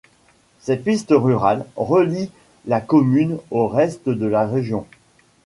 Ces pistes rurales relient la commune au reste de la région.